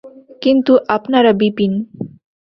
কিন্তু আপনারা– বিপিন।